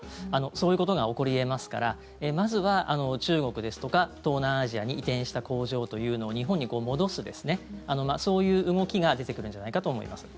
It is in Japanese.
そういうことが起こり得ますからまずは中国ですとか東南アジアに移転した工場というのを日本に戻す、そういう動きが出てくるんじゃないかと思います。